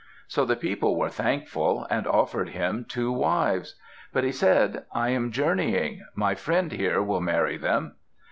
So the people were thankful and offered him two wives. But he said, "I am journeying. My friend here will marry them."